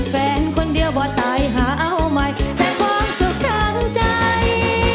แฟนคนเดียวบ่ตายหาเอาใหม่แต่ความสุขทางใจ